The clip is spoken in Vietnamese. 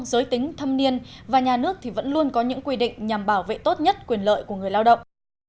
giới tính thâm niên và nhà nước vẫn luôn có những quy định nhằm bảo vệ tốt nhất quyền lợi của người lao động